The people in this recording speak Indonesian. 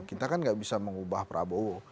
kita kan gak bisa mengubah prabowo